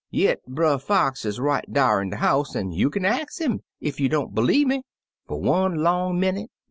Yit Brer Fox is right dar in de house an' you kin ax 'im, ef you don't b'lieve me.' " Fer one long minnit.